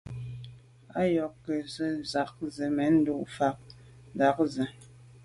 Á yɔ́k gə̀ sɔ̌k ŋká zə̄ mɛ́n lû fáŋ ndá ŋkɔ̀k.